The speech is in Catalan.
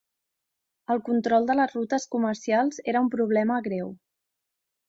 El control de les rutes comercials era un problema greu.